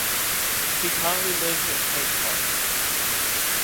She currently lives in Cape Cod.